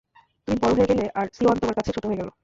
তুমি বড় হয়ে গেলে আর সিওয়ান তোমার কাছে ছোট হয়ে গেল।